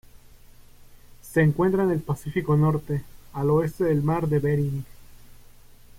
Se encuentra en el Pacífico norte: al oeste del Mar de Bering.